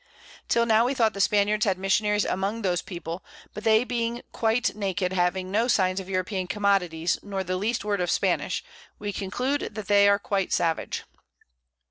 Till now we thought the Spaniards had Missionaries among those People, but they being quite naked, having no sign of European Commodities, nor the least Word of Spanish; we conclude they are quite savage.